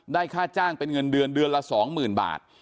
ค่าจ้างเป็นเงินเดือนเดือนละ๒๐๐๐บาท